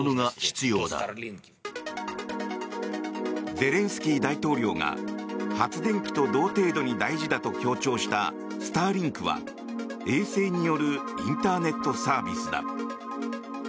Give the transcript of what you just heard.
ゼレンスキー大統領が発電機と同程度に大事だと強調したスターリンクは、衛星によるインターネットサービスだ。